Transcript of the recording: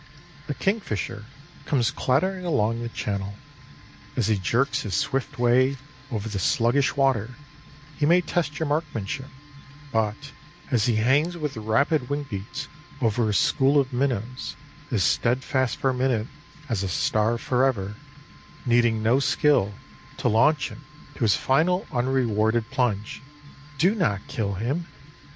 A kingfisher comes clattering along the channel. As he jerks his swift way over the sluggish water he may test your marksmanship, but as he hangs with rapid wing beats over a school of minnows, as steadfast for a minute as a star forever, needing no skill to launch him to his final unrewarded plunge, do not kill him!